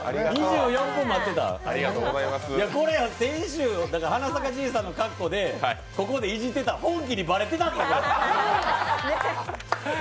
これ先週、花咲かじいさんの格好して、ここでいじってたら、流れてた。